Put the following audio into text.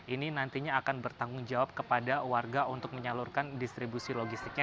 ini nantinya akan bertanggung jawab kepada warga untuk menyalurkan distribusi logistiknya